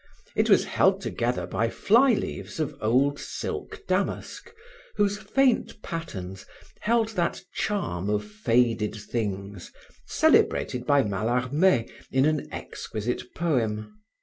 It was held together by fly leaves of old silk damask whose faint patterns held that charm of faded things celebrated by Mallarme in an exquisite poem.